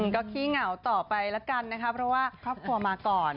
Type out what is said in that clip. ก็ขี้เหงาต่อไปแล้วกันนะคะเพราะว่าครอบครัวมาก่อน